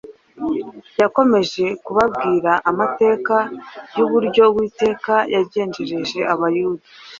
Yakomeje kubabwira amateka y’uburyo Uwiteka yagenjereje Abayuda